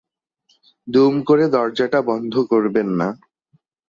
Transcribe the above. দুম করে দরজাটা বন্ধ করবেন না।